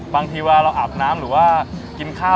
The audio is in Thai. บางทีเวลาเราอาบน้ำหรือว่ากินข้าว